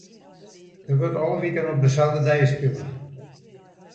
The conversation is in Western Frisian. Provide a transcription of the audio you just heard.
Der wurdt alle wiken op deselde dei spile.